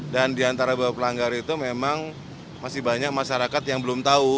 dan di antara pelanggar itu memang masih banyak masyarakat yang belum tahu